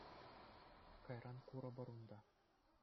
Кайран курӑпӑр унта.